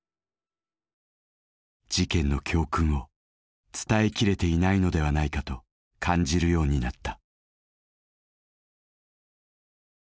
事件の教訓を伝えきれていないのではないかと感じるようになった。